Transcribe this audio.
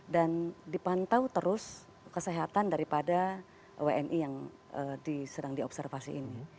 dan dipantau terus kesehatan daripada wni yang sedang diobservasi ini